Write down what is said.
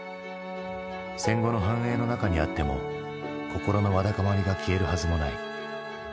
戦後の繁栄の中にあっても心のわだかまりが消えるはずもない。